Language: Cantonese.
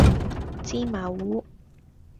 芝麻糊